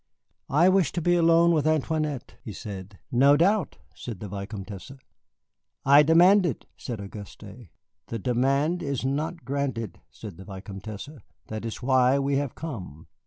"I wish to be alone with Antoinette," he said. "No doubt," said the Vicomtesse. "I demand it," said Auguste. "The demand is not granted," said the Vicomtesse; "that is why we have come.